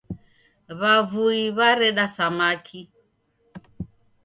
W'avui w'areda samaki.